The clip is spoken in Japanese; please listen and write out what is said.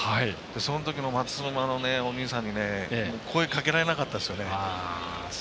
そのときの松沼のお兄さんに声かけられなかったですよね。